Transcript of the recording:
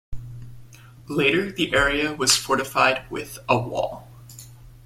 Later the area was fortified with a wall.